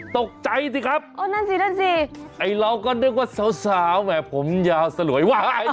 ตกใจสิครับโอ้นั่นสินั่นสิไอ้เราก็นึกว่าสาวแหมผมยาวสลวยวาย